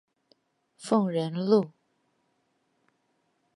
鳳仁路